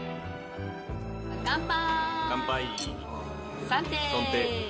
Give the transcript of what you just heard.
乾杯。